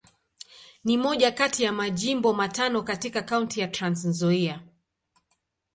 Ni moja kati ya Majimbo matano katika Kaunti ya Trans-Nzoia.